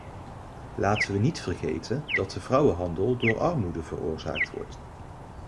Laten we niet vergeten dat de vrouwenhandel door armoede veroorzaakt wordt.